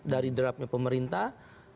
dari draftnya pemerintah